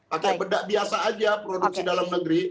pakai bedak biasa aja produksi dalam negeri